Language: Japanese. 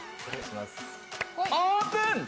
オープン！